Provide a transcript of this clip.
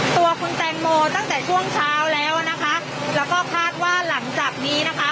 ตัวคุณแตงโมตั้งแต่ช่วงเช้าแล้วนะคะแล้วก็คาดว่าหลังจากนี้นะคะ